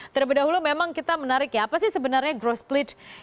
terlebih dahulu memang kita menarik ya apa sih sebenarnya growth splitch